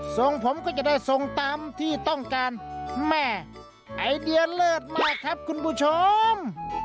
ส่งผมก็จะได้ทรงตามที่ต้องการแม่ไอเดียเลิศมากครับคุณผู้ชม